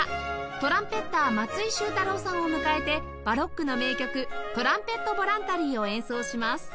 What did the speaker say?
トランペッター松井秀太郎さんを迎えてバロックの名曲『トランペット・ヴォランタリー』を演奏します